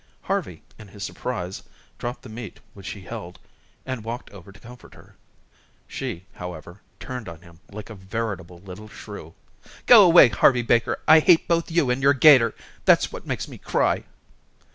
Harvey, in his surprise, dropped the meat which he held, and walked over to comfort her. She, however, turned on him like a veritable little shrew. "Go away, Harvey Baker. I hate both you and your 'gator. That's what makes me cry."